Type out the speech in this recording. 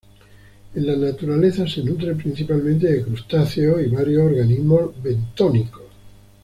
En la naturaleza se nutre principalmente de crustáceos y varios organismos bentónicos.